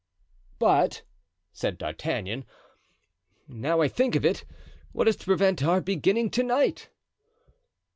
"But," said D'Artagnan, "now I think of it—what is to prevent our beginning to night?"